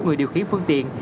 người điều khí phương tiện